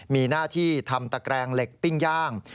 มีหน้าที่ทำตะแกรงเหล็กปิ้งย่าง